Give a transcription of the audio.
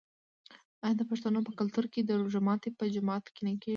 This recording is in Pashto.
آیا د پښتنو په کلتور کې د روژې ماتی په جومات کې نه کیږي؟